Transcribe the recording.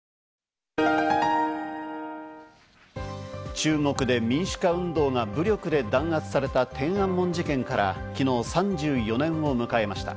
中国で民主化運動が武力で弾圧された天安門事件から、きのう３４年を迎えました。